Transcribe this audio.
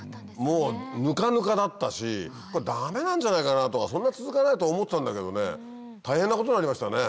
もうぬかぬかだったしこれダメなんじゃないかなとかそんな続かないと思ってたんだけどね大変なことになりましたね。